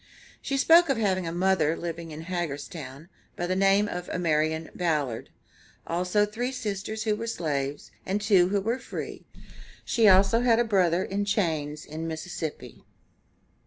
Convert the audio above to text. She spoke of having a mother living in Hagerstown, by the name of Amarian Ballad, also three sisters who were slaves, and two who were free; she also had a brother in chains in Mississippi.